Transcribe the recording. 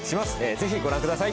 ぜひご覧ください。